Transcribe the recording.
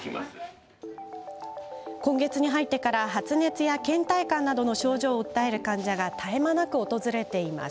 今月に入ってから発熱やけん怠感などの症状を訴える患者が絶え間なく訪れています。